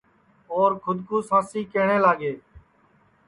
اور کھود کُو سانسی کہٹؔے لاگے